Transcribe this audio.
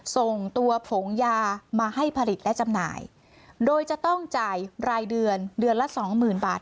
ส่งตัวผงยามาให้ผลิตและจำหน่ายโดยจะต้องจ่ายรายเดือนเดือนละสองหมื่นบาท